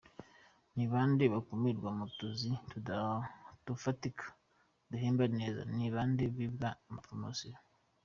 – Ni bande bakumirwa mu tuzi dufatika, duhemba neza, ni bande bimwa amapromotions?